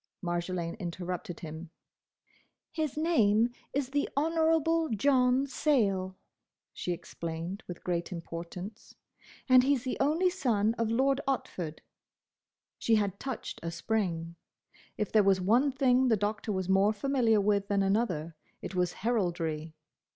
Marjolaine interrupted him. "His name is the Honourable John Sayle," she explained with great importance, "and he's the only son of Lord Otford." She had touched a spring. If there was one thing the Doctor was more familiar with than another, it was heraldry.